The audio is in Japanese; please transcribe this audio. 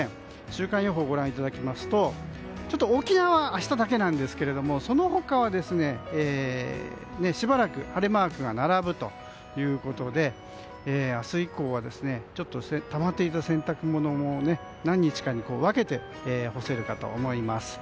週間予報をご覧いただきますと沖縄は明日だけなんですけどもその他はしばらく晴れマークが並ぶということで明日以降はたまっていた洗濯物も何日かに分けて干せるかと思います。